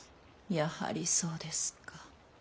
やはりそうですか。